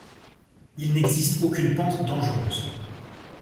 Il n'existe aucune pente dangereuse.